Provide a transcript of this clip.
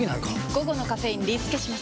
午後のカフェインリスケします！